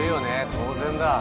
当然だ。